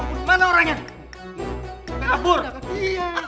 kok besar nih kita banget